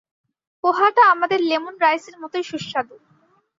পোহাটা আমাদের লেমন রাইসের মতোই সুস্বাদু।